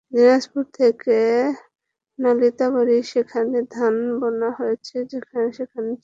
দিনাজপুর থেকে নালিতাবাড়ী, যেখানে আমার ধান বোনা হয়েছে, সেখানে ছুটে গেছি।